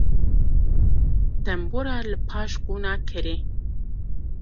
Tembûra li paş qûna kerê.